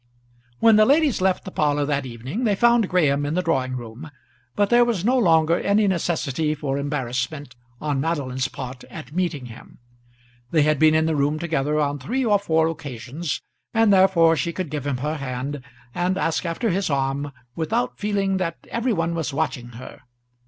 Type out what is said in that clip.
When the ladies left the parlour that evening they found Graham in the drawing room, but there was no longer any necessity for embarrassment on Madeline's part at meeting him. They had been in the room together on three or four occasions, and therefore she could give him her hand, and ask after his arm without feeling that every one was watching her.